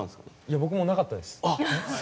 僕もなかったです。